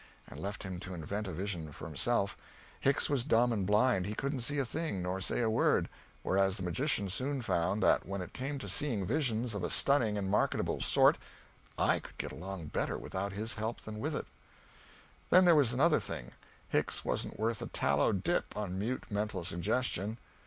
and left him to invent a vision for himself, Hicks was dumb and blind, he couldn't see a thing nor say a word, whereas the magician soon found that when it came to seeing visions of a stunning and marketable sort I could get along better without his help than with it. Then there was another thing: Hicks wasn't worth a tallow dip on mute mental suggestion.